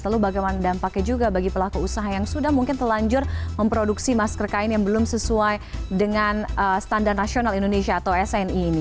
lalu bagaimana dampaknya juga bagi pelaku usaha yang sudah mungkin telanjur memproduksi masker kain yang belum sesuai dengan standar nasional indonesia atau sni ini